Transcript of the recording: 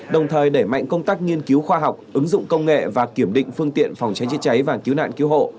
đồng thời đẩy mạnh công tác nghiên cứu khoa học ứng dụng công nghệ và kiểm định phương tiện phòng cháy chữa cháy và cứu nạn cứu hộ